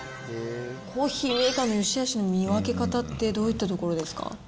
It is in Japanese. コーヒーメーカーのよしあしの見分け方って、どういったところですか。